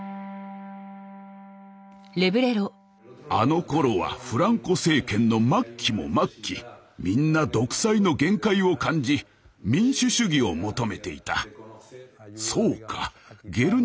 あのころはフランコ政権の末期も末期みんな独裁の限界を感じ民主主義を求めていた。